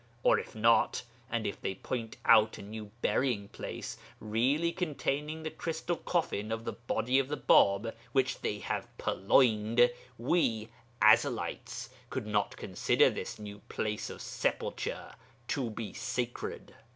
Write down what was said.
Or if not, and if they point out a new burying place, really containing the crystal coffin of the body of the Bāb which they have purloined, we [Ezelites] could not consider this new place of sepulture to be sacred.'